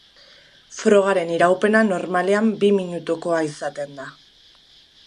Frogaren iraupena normalean bi minutukoa izaten da.